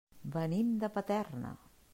Venim de Paterna.